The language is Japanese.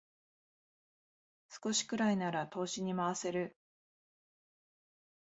少しくらいなら投資に回せる